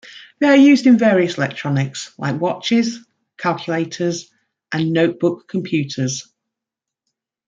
They are used in various electronics like watches, calculators, and notebook computers.